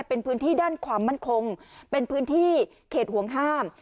เป็นพื้นที่ด้านความมั่นคงเป็นพื้นที่เขตห่วงห้าม